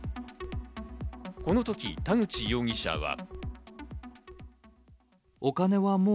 このとき田口容疑者は。